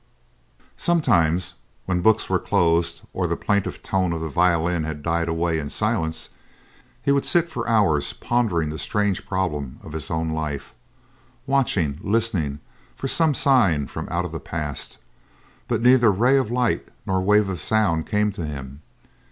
Sometimes, when books were closed or the plaintive tones of the violin had died away in silence, he would sit for hours pondering the strange problem of his own life; watching, listening for some sign from out the past; but neither ray of light nor wave of sound came to him.